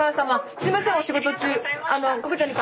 すいませんお仕事中。